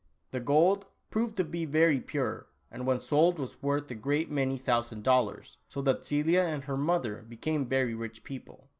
The gold proved to be very pure and when sold was worth a great many thousand dollars, so that Celia and her mother became very rich people.